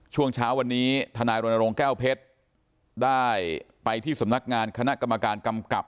ช่วงเช้าวันนี้ทนายรณรงค์แก้วเพชรได้ไปที่สำนักงานคณะกรรมการกำกับ